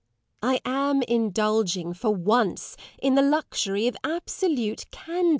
I am indulging, for once, in the luxury of absolute candour.